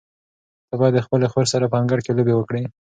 ته باید د خپلې خور سره په انګړ کې لوبې وکړې.